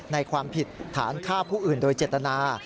ความผิดฐานฆ่าผู้อื่นโดยเจตนา